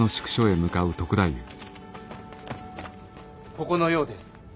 ここのようです。